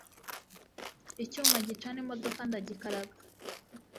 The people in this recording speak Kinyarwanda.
icyuma gicana imodoka ndagikaraga